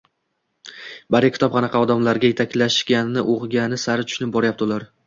Badiiy kitob qanaqa olamlarga yetaklashini oʻqigani sari tushunib boryapti ular.